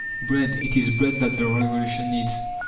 "Bread, it is bread that the Revolution needs!"